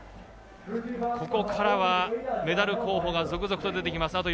ここからは、メダル候補が続々と出てきます。